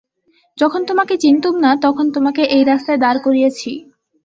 যখন তোমাকে চিনতুম না তখন তোমাকে এই রাস্তায় দাঁড় করিয়েছি।